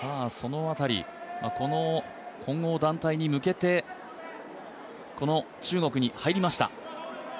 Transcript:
この混合団体に向けて、この中国に入りました。